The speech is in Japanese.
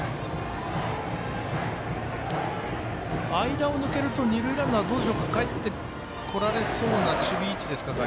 間を抜けると二塁ランナーはかえってこられそうな守備位置ですか？